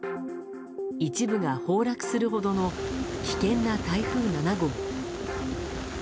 一部が崩落するほどの危険な台風７号。